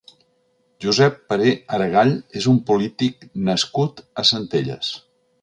Josep Paré Aregall és un polític nascut a Centelles.